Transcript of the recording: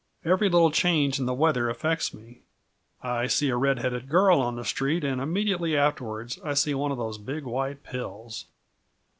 Every little change in the weather affects me. I see a red headed girl on the street and immediately afterwards I see one of these big white pills."